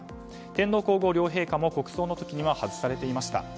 天皇・皇后両陛下も国葬の時には外されていました。